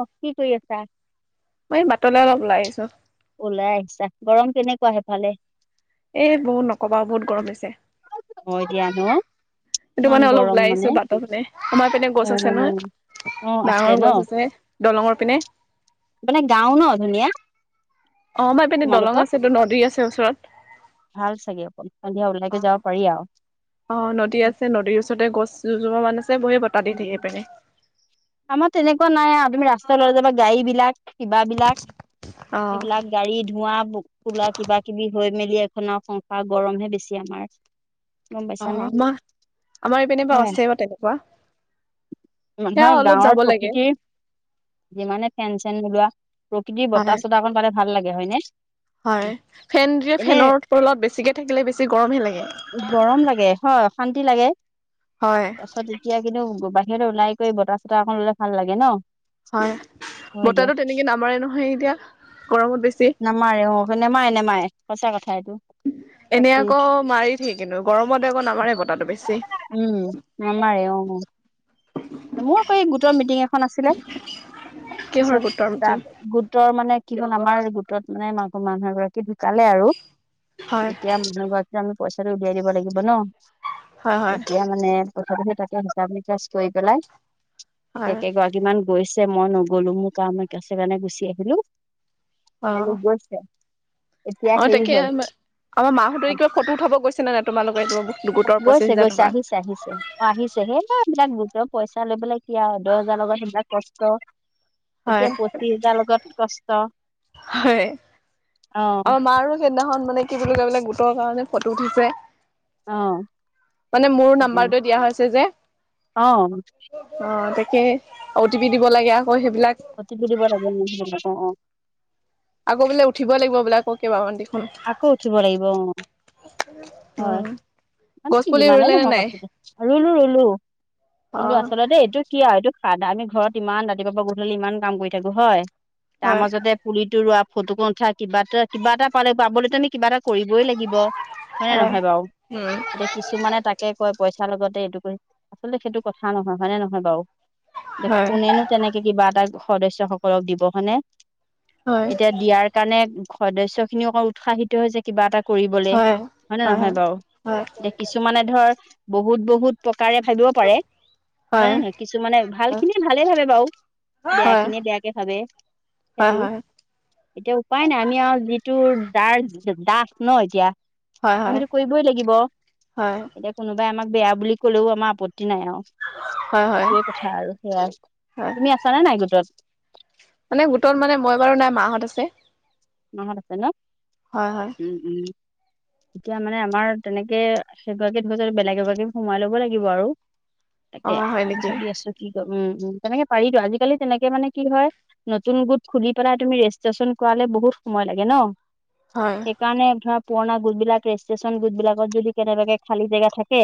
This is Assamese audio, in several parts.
অ', কি কৰি আছা? মই এই বাটলৈ অলপ ওলাই আহিছোঁ। ওলাই আহিছা গৰম কেনেকুৱা হেফালে। এ বহুত নকবা বহুত গৰম দিছে। হেল্ল'। সেইটো কাৰণে অলপ ওলাই আহিছো বাটৰ পিনে আমাৰ পিনে গছ অ আছে অ নহয়। আছে ডাঙৰ ন গছ আছে দলঙৰ পিনে মানে গাওঁ ন ধুনীয়া অ' আমাৰ এই পিনে দলং তোমালোকৰ আছেটো নদী আছে ওচৰত। ভাল চাগে অ' সন্ধিয়া অ ওলাইকৈ যাব পাৰি আৰু অ' নদী আছে নদীৰ ওচৰতে গছ দুজোপা মান আছে বহি বতাহ দি থাকে পিনে আমাৰ তেনেকুৱা নাই তুমি ৰাস্তা যাবা গাড়ী বিলাক কিবাবিলাক অ এইবিলাক গাড়ী ধোৱা কোলা কিবা কিবি হৈ মেলি এখনৰ সংসাৰৰ গৰমহে বেছি আমাৰ। গম অ' পাইছানে আমাৰ আমাৰ এইপিনে বা আছে বা তেনেকুৱা। সেয়া মানুহৰ অলপ গাঁৱৰ যাব লাগে প্ৰকৃতিৰ যিমানে ফেন চেন নোলোৱা প্ৰকৃতিৰ হয় বতাহ চতাহ অকণ পালে ভাল লাগে হয়নে। হয়, ফেন দিয়ে এনে ফেনৰ তলত বেছিকে থাকিলে বেছি গৰমহে লাগে। গৰম লাগে হয়, অ' অশান্তি লাগে হয় তাৰ পাছত এতিয়া কিন্তু বাহিৰতে ওলাই কৰি বতাহ চতাহ অকণ ল'লে ভাল লাগে ন। হয়। হয় দিয়া বতাহটো তেনেকে নামাৰে নহয় এতিয়া গৰমত বেছি। নামাৰে অ নেমাৰে নেমাৰে সঁচা কথা এইটো তাকি। কি একেই কিন্তু গৰমতে আকৌ আমাৰ বতাটো নামেৰে বেছি। উম, নামেৰে অ'। মোৰ আকৌ এই গোটৰ মিটিং এখন আছিলে। কিহৰ গোটৰ মিটিং তাৰপাছত গোটৰ মানে। কি ক'ল আমাৰ গোটত মানে মানুহ এগৰাকী ঢুকালে আৰু হয় এতিয়া মানুহ গৰাকীক আমি পইচা টো উলিয়াই দিব লাগিব ন হয় হয় এতিয়া মানে। অথনি হিচাপ নিকাছ কৰি পেলাই হয় এতিয়া কেইগৰাকীমান গৈছে। যে মই নগলো মোৰ কাম আছে কাৰণে গুচি আহিলো অ তেওঁলোক গৈছে। এতিয়া অ' হেৰি তাকে হ'ল আমাৰ অ মাহতো কিবা ফটো উঠাব গৈছে নে নাই তোমালোক গৈছে গৈছে আহিছে আহিছে অ' আহিছে সেই এইবিলাক। গোটৰ পইচা লয় পেলাই কি আৰু দহ হাজাৰ টকাত লগত কিমান কষ্ট। হয় এতিয়া পঁচিশ হাজাৰ লগত কষ্ট। হয়, অ' মাৰো সেইদিনাখন মানে কি বুলি কয় বোলে। গোটৰ কাৰণে ফটো উঠিছে। আহ। মানে মোৰ নাম্বাৰটো দিয়া হৈছে যে। অ অ' টি পি দিব লাগে। সেইবিলাক অ' তি পি দিব লাগে ন অ' [unintelligible] [unintelligible] আকৌ বোলে উঠিবই লাগিব বোলে আক কেইবামান দি। আকৌ উঠিব লাগিব অ' হয়, উম মানে গছ পুলি যিমানেই ৰুলে নে নহক। নাই ৰুলো ৰুলো অ কোনটো আচলতে এইটো কি আৰু এইটো। আমি ঘৰত ইমান ৰাতিপুৱা গধূলি ইমান কাম কৰি থাকো হয় তাৰ হয় মাজতে পুলিটো ৰোৱা। ফটো ক উঠা কিবা এটা কিবা এটা পালে পাবলৈ আমি কিবা এটা কৰিবই লাগিব হয় নে নহয় বাৰু উম এতিয়া কিছুমানে তাকে কয়। পইচাৰ লগতে এইটো কৰি আচলতে সেইটো কথা নহয় হয়নে নহয় বাৰু এ হয় কোনেনো তেনেকে কিবা এটা সদস্য সকলক দিব হয় নে। হয় এতিয়া দিয়াৰ কাৰণে সদস্য খিনি অকৌ উৎসাহিত হৈছে কিবা এটা কৰিবলৈ হয় নে নহয় বাৰু এতিয়া কিছুমানে ধৰ বহুত বহুত তাৰে ভাবিব পাৰে। হয় নে নহয় কিছু মানে ভাল হয় খিনিয়ে ভালে ভাবে বাৰু হয় বেয়া হয় খিনিয়ে বেয়াকে ভাবে। হয়, সেইটো হয়। এতিয়া উপায় নাই আমি আৰু যিটোৰ দাস ন এতিয়া। হয় আমি সেইটো কৰিবই লাগিব। হয় এতিয়া কোনোবাই আমাক বেয়া বুলি কলেও আমাৰ আপত্তি নাই আৰু, হয় হয় সেইটোৱে কথা আৰু সেয়া, হয় তুমি আছা নে নাই গোটত? মানে গোটত মানে মই বাৰু নাই, মাহঁত আছে। মাহত আছে ন। হয় হয় উম উম। এতিয়া মানে আমাৰ তেনেকে সেইগৰাকী ধৰি য বেলেগ এগৰাকী সোমাই ল'ব লাগিব আৰু। অ তাকে হয় নেকি ভাবি আছো কি ক উম উম তেনেকে পাৰিতো, আজিকালি তেনেকে মানে কি হয় নতুন গোট খুলি পেলাই তুমি ৰেজিষ্ট্ৰেশচন কৰালে বহুত সময় লাগে ন, হয় সেইকাৰণে ধৰা পুৰণি গোট বিলাক ৰেজিষ্ট্ৰেচন গোট বিলাকত যদি কেনেবাকে খালী জাগা থাকে,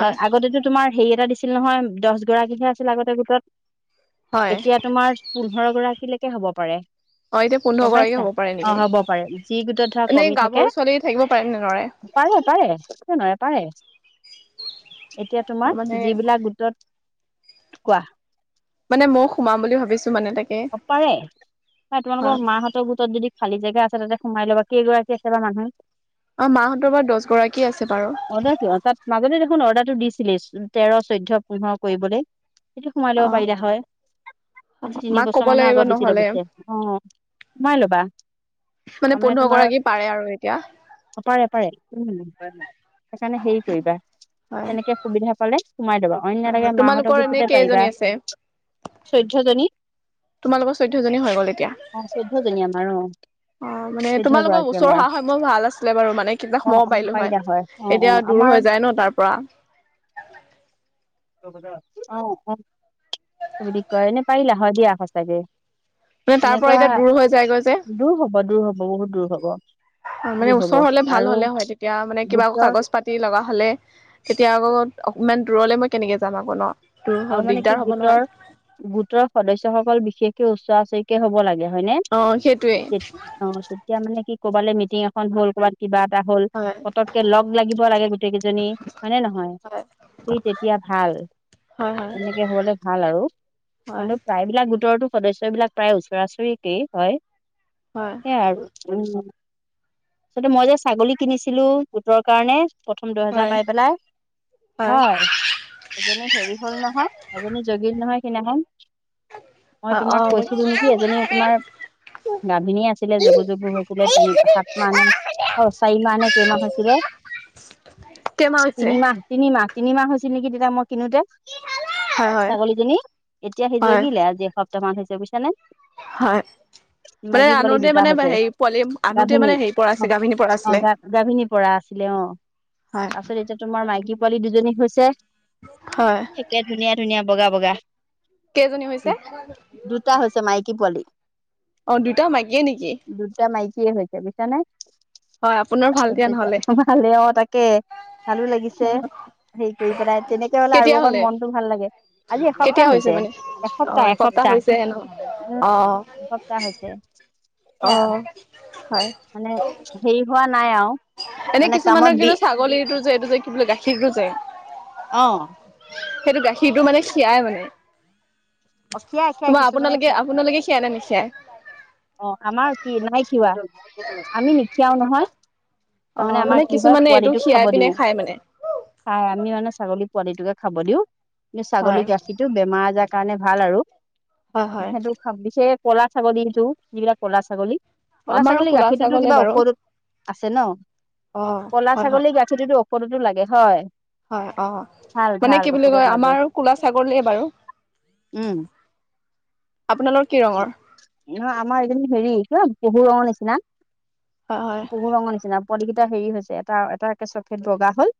হয়। আগতেতো তোমাৰ হেৰি এটা দিছিল নহয়, দহ গৰাকীহে আছিল আগতে গোটত। হয় এতিয়া তোমাৰ পোন্ধৰ গৰাকীলৈকে হ'ব পাৰে। অ এতিয়া গম পোন্ধৰ গৰাকী পাইছা? হ'ব পাৰে অ নেকি হ'ব পাৰে, যি গোট ধৰা এনেই কমি থাকে, গাভৰু ছোৱালী থাকিব পাৰে নে নৰে পাৰে পাৰে কিয় নোৱাৰে পাৰে, এতিয়া মানে তোমাৰ যিবিলাক গোটত কোৱা? মানে মইও সোমাম বুলি ভাবিছো। মানে তাকে পাৰে হয় তোমালোকৰ মাহঁতৰ গোটত যদি খালী জেগা আছে তাতে সোমাই ল'বা। কেইগৰাকী আছে বা মানুহে? অ মাহঁতৰ পৰা দহ গৰাকী আছে বাৰু। চোন অৰ্ডাৰটো দিছিলে তেৰ, চৈধ্য, পোন্ধৰ কৰিবলৈ। সেইটো সোমাই ল'ব অ পাৰিলা হয়। তিনি মাক ক'ব বছৰ মানৰ লাগিব আগত দিছিলে নহ'লে পিছে, অ মাই ল'বা। মানে পোন্ধৰ গৰাকী পাৰে আৰু এতিয়া অ পাৰে পাৰে, উম। সেইকাৰণে হেৰি কৰিবা, হয় তেনেকে সুবিধা পালে সোমাই ল'বা। অন্য হয় লাগে হয় মাহঁতক তোমালোকৰ এনে গোটোতে পাৰিবা। কেইজনী আছে চৈধ্যয়জনী তোমালোকৰ চৈধ্যজনী হৈ গলে অ চৈধ্য জনি আমাৰ অ। অ মানে চৈধ্য তোমালোকৰ গৰাকী ওচৰ আমাৰ হোৱা হয় মোৰ ভাল আছিলে বাৰু মানে, কেইটা অ সমাবো অ পাৰিলো হয়, পাৰিলা অ অ এতিয়া দূৰ আমাৰ হৈ যায় ন তাৰ পৰা। [inaudible] অহ অ [unintelligible] এনে পাৰিলা হয় দিয়া সঁচাকে। মানে তাৰ পৰা এতিয়া তেনেকুৱা, দূৰ হৈ যায়গৈ যে দূৰ হ'ব, দূৰ হ'ব, বহুত দূৰ হ'ব। মানে দূৰ হ'ব ওচৰ হ'লে ভাল আৰু হলে হয়, তেতিয়া মানে কিবা আকৌ গোটৰ কাগজ পাতি লগা হ'লে তেতিয়া আকৌ অ ইমান দূৰলৈ মই কেনেকে যাম আকৌ ন। আৰু দূৰ মানে কি দিগদাৰ হ'ব নহয় গোটৰ, গোটৰ সদস্যসকল বিশেষকে ওচৰা-ওচৰিকে হ'ব লাগে। হয় নে। অ সেইটোৱে তেতিয়া মানে কি কৰবালৈ মিটিং এখন হ'ল কিবা এটা হ'ল, হয় পতককে লগ লাগিব লাগে গোটেই কেইজনী। হয়নে নহয়? হয় সেই তেতিয়া ভাল। হয় হয় এনেকে হ'লে ভাল আৰু, হয় কাৰন প্ৰায়বিলাক গোটৰতো সদস্যবিলাক প্ৰায় ওচৰা-ওচৰিকেই হয়, হয় সেয়াই আৰু। উম। টো মই যে ছাগলী কিনিছিলো গোটৰ কাৰণে প্ৰথম দহহেজাৰ হয় পাই পেলাই, হয়। এজনী হেৰি হ'ল এজনী জগিল নহয় সিদিনাখন। মই তোমাক কৈছিলো নেকি এজনী তোমাৰ গাভিনী আছিলে যোগী-যোগী হৈছিলে তিনি সাত মাহ নে অ চাৰি মাহ নে কেইমাহ হৈছিলে। কেইমাহ হৈছে? তিনিমাহ-তিনিমাহ। তিনিমাহ হৈছিল নেকি তেতিয়া মই কিনোতে, হয়, হয়, ছাগলীজনী এতিয়া সিজনী হয়, যোগিলে, আজি এসপ [unintelligible] মান হৈছে বুজিছানে। হয়। মানে মাইকী পোৱালি আনোতে দুটা মানে হৈছে হেৰি পোৱালি আনোতে গাভিনী মানে হেৰি পৰা আছিল গাভিনীৰ পৰা আছিলে ছিল অ হয়, তাৰপিছত এতিয়া তোমাৰ মাইকী পোৱালি দুজনী হৈছে হয়। থাকে ধুনীয়া ধুনীয়া বগা বগা কেইজনী হৈছে? দুটা হৈছে মাইকী পোৱালি অ', দুটা মাইকিয়ে নেকি? হয়, আপোনাৰ ভাল দিয়া নহ'লে। অপল ভালে তাকে ভালো লাগিছে হেৰি কৰি পেলাই তেনেকে হলে আৰু মনতটো ভাল লাগে আজি এসপ্তাহ কেতিয়া হৈছে মানে? অ', এসপ্তাহ এসপ্তাহ হৈছেহে ন? উ অ', সপ্তা হৈছে শেয়া অ'। হয়, মানে হেৰি হোৱা না এনে কিছুমানৰ কিন্তু ছাগলীটো যে এইটো যে কি বোলে গাখীৰটো যে অ', সেইটো গাখীৰটো মানে খীৰায় মানে অ খীৰাই খীৰাই তোমাৰ কিছুমানে আপোনালোকে খীৰাই আপোনালোকে খিয়ায় নে নিখিয়ায় অ', আমাৰ কি নাই খিয়াৱা আমি নিখিয়াও নহয় অ তাৰমানে আমাৰ মানে কি হয় কিছুমানে এইটো পোৱালিটোক খীৰাই খাব পিনে দিওঁ খাই মানে খাই আমি মানে ছাগলী পোৱালিটোকে খাব দিওঁ কিন্তু হয়। ছাগলী গাখীৰতটো বেমাৰ আজাৰ কাৰণে ভাল আৰু হয় হয়। সেইটো পিছে কলা ছাগলীটো যিবিলাক কলা ছাগলী কলা আমাৰো ছাগলীৰ কোলা গাখীৰটোতো ছাগলে কিবা বাৰু। ঔষধত আছে ন অ কলা হয় হয় ছাগলীৰ গাখীৰটোতোঔ পটোতো লাগে হয় হয় অ ভাল মানে ভাল কি বুলি ঔষধত কয় লাগে আমাৰ কোলা ছাগলে বাৰু উম। আপোনালৰ কি ৰঙৰ। নহয় আমাৰ এইেই হেৰি কি পহু ৰঙৰ নিচিনা হয় হয় পহু ৰঙৰ নিচিনা। পলিকেইটা হেৰি হৈছে এটা এটাে চফেট বগা হল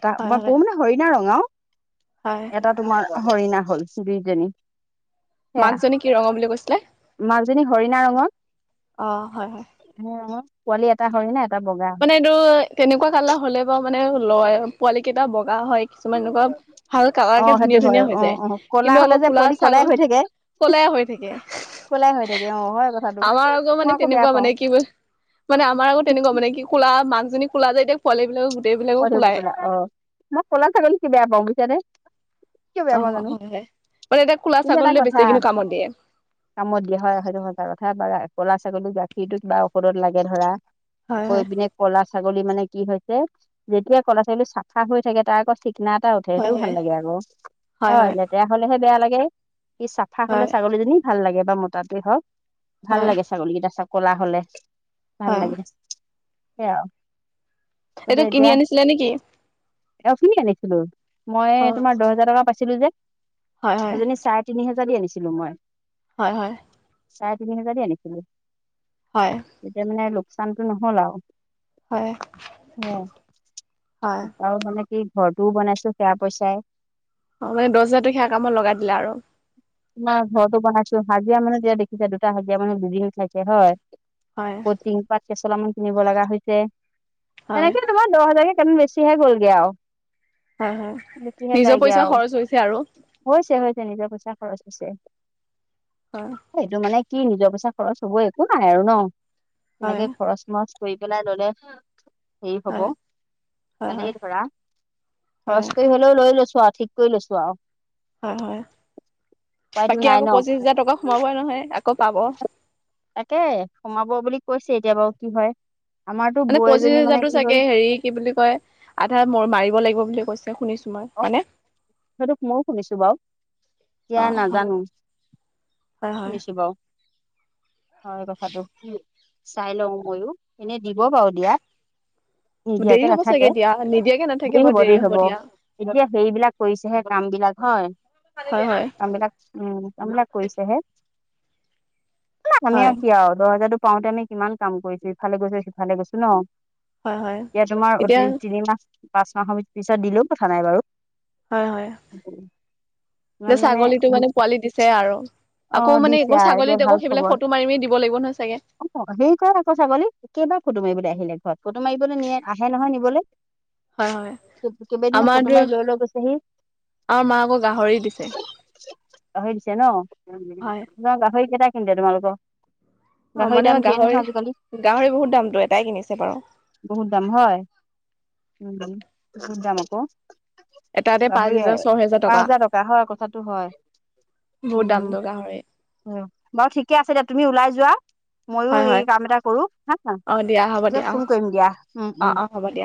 এটা হয় মই হয় পঢো মানে হৰিণা ৰঙাও। হয়। এটা তোমাৰ হৰিণা হল দুইজনী। সেয়া মাকজনী কি ৰঙ বুলি কৈছিলে। মাজনী হৰিণা ৰঙতৰ অ হয় হয়। পোৱালি এটা হৰিণা। এটা বগা মানে এইটো কেনেকুৱা কালাৰ হ'লে বাৰু মানে লয় পোৱালি কেইটা বগা হয়। কিছুমান এনেকুৱা ভাল কালাৰ অ কে সেইটো ধুনীয়া হয় ধুনীয়া অ হৈ অ যায় ক'লা কিন্তু হলে আকৌ যে কোলা পোৱালি ছাগ কলে হৈ থাকে। কোলাই হৈ থাকে অ হয় কথাটো আমাৰ মই মানে আকৌ বেয়া তেনেকুৱা পাও। মানে কি মানে আমাৰ আত তেনেুৱা মানে কি কলা মাকজনী কোলাায় এতিয়াোৱালিব বিলাক প পতেলা অ মই পলা থাকল কি বেয়া পাওঁ বিচা নে। অ', হয', হয', মানে এতিয়া কোলা কিন্তু এটা ছাগলীলৈ বেছি কথা কিন্তু কামত দিয়ে। কামত দিয়া হয় সেইটো স তাৰ কথা বাৰু'লৰা ছাগ ল গাখীৰতটো কিবা ঔষধত লাগে ধৰা হয় আকৌ হয় এইপিনে ক'লা ছাগলী মানে কি হৈছে। যেতিয়া ক'লা ছোৱালী চাফা হৈ থাকে তাৰ আকৌ না এটা উঠে হয় সেইটোও ভাল হয় লাগে আকৌ হয় লেতেৰা হলেহে বেয়া লাগে। সি চাফা হলে হয় ছাগলীজনী ভাল লাগে বা মতাতোৱে হওক ভাল হয়। লাগে ছাগলী কেইটা কলা হলে ভাল হয় হয়। লাগে সে আৰু। এইটো কিনি আনিছিলে নেকি? অ', খিনিকেনিছিলো মই অ তোমাৰ দহ হোজাৰ টকা পাইছিলো যে হয় হয় সেইজনী চাৰে তিনি হাজাৰ আনিছিলো মই। হয়', হয়। চাৰে তিনি হোজাৰ দি আনিছিলো হয় তেতিয়া মানে লোকচানতটো নহল আৰু হয়। হয়। স কাও মানে কি ঘৰটোও বনাইছো সেয়া পইচাই অ', মানে দহ হাজাৰটোো সেয়া কামত লগাই দিলা আৰু তোমাৰ ঘৰতো বনাইছো হাজিৰা মানুহ তেতিয়া দেখিছে দুটা হাজিৰা মানুহ বিজ খাইছে হয়। হয় কঠিং পাত কেেচলামান কিনিব লগা হৈছে হয় সেনেকে তোমাৰ দহ হাজাৰ কাৰণ বেছিহে গ'লগে আৰু। হয় হয়। বেছিহে নিজৰ যায়গে পইচা আৰু খৰচ হৈছে আৰু। হৈছে হৈছে নিজৰ পইচা। খৰচ হয় সেইটো মানে কি নিজৰ পইচা খৰচ হব একো নাই আৰু ন হয় এনেকে খৰচ মৰচ কৰি পেলাই ললে। হেৰি হব হয় হয় ভালেই ধৰা হয় হয় খৰচ কৰি হলেও লৈ লৈছো ঠিক কৰি লৈছো আৰু। হয', হয', উপায়তো বাকী নাই আকৌ ন পঁচিশ হাজাৰ টকা সোমাবই নহয় আকৌ পাব। তাকে সোমাব বুলি কৈছে এতিয়া বাৰু কি হয়। আমাৰতো মানে বৌ পঁচিশ এজনী মানে হাজাৰতো কি হ'ল চাগে হেৰি কি বুলি কয় আধা মাৰিব লাগিব বুলি কৈছে শুনিছো। মই অ', হয়নে? সেইটোক ময়ও শুনিছো বাৰু অ এতিয়া হয় নাজানো। হয় হয় শুনিছো বাৰু। হয় কথাটো চাই লওঁ ময়ো এনেই দিব পাৰু দিয়াত। দেৰি নিদিয়াকে হ'ব নাথাকে চাগে দিয়া নিদিয়াকে নাথাকে দেৰি বাৰু হব দেৰি হব। দিয়া এতিয়া সেইবিলাক কৰিছেহে কাম বিলাক হয়। হয় হয় কামবিলাক উম কামবিলাক কৰিছেহে। আমি হয় আৰু কি আৰু দহ হাজাৰো পাওঁতে আমি কিমান কাম কৰিছো ইফালে গৈছো সিফালে গৈছো ন। হয় হয় এতিয়া তোমাৰ এতিয়া অতি তিনিমাহ পাঁচ মাহৰ পিছত দিলোও কথা নাই বাৰু। হয', হয়', ছাগলীটো মানে পোৱালি দিছে আৰু। অ আকৌ মানে দিছে আৰু এতিয়া ছাগলীত ভাল আকৌ সেইবিলাক খবৰ ফটো মাৰি মি দিব লাগিব নহয় চাগে। অ', হেৰি ক আকৌ ছাগলী একেবাৰ ফটো মাৰিবলৈ আহিলে ঘৰত ফটো মাৰিবলৈ নিয়ে আহে নহয় নিবলৈ। হয় - হয়। কেইবাদিনো আমাৰ ফটো দু মাৰি লৈ - লৈ গৈছেহি। আমাৰ মা আকৌ গাহৰি দিছে গাহৰি দিছে ন, হয় তোমাক গাহৰি কেইটা [unintelligible] অ গাহৰি মানে, দাম ধেৰ নহয় আজিকালি গাহৰি- গাহৰি বহুত দামটো এটাই কিনিছে বাৰু। বহুত দাম হয়, উম বহুত দাম আকৌ এটাতে পাঁচ গাহৰি হেজাৰ - ছয় হেজাৰ পাঁচ টকা। হাজাৰ হয় কথাটো হয় বহুত দামটো গাহৰিৰ অ', বাৰু ঠিকে আছে দিয়া, তুমি ওলাই যোৱা, মইয়ো হয় এই হয় কাম এটা কৰো হা। অ দিয়া হ'ব পিছত দিয়া অ ফোন কৰিম দিয়া উম -উম। অ', অ', হ'ব দিয়া।